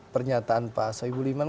pernyataan pak soebul iman